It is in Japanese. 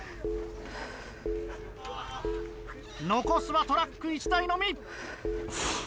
残すはトラック１台のみ。